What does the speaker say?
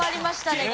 ね